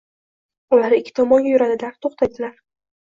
Ular ikki tomonga yuradilar. To‘xtaydilar.